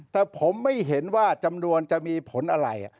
แต่ผมไม่เห็นว่าจำนวนจะมีผลอะไร